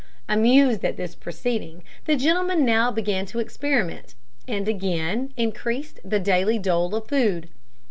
Amused at this proceeding, the gentleman now began to experiment, and again increased the daily dole of food.